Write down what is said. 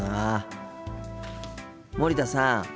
森田さん。